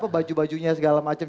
baju bajunya segala macam